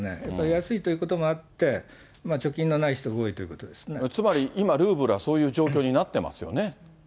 やっぱり安いということもあって、貯金のない人が多いということでつまり、今、ルーブルはそういう状況になってますよね。